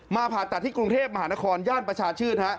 มาผ่าตัดที่กรุงเทพฯมหานครญาติประชาชื่นฮะ